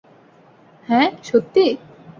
হ্যা - সত্যি?